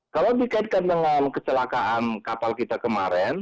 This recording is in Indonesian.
kalau dikaitkan dengan kecelakaan kapal kita kemarin